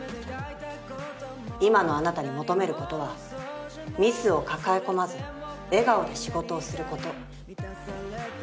今のあなたに求めることはミスを抱え込まず笑顔で仕事をすること。